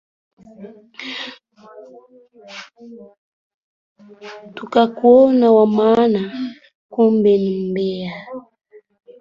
Tukakuona wa maana kumbe ni mmbea.